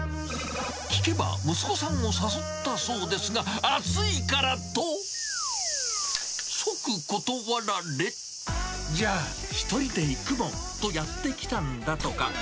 聞けば、息子さんを誘ったそうですが、暑いからと、即断られ、じゃあ、一人で行くもんとやって来たんだとか。